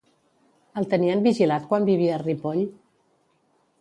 El tenien vigilat quan vivia a Ripoll?